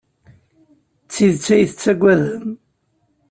D tidet ay tettaggadem?